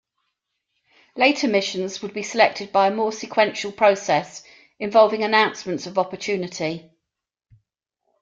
Later missions would be selected by a more sequential process involving Announcements of Opportunity.